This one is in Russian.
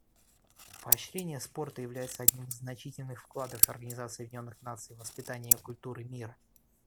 Поощрение спорта является одним из значительных вкладов Организации Объединенных Наций в воспитании культуры мира.